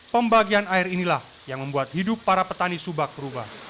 pembagian air inilah yang membuat hidup para petani subak berubah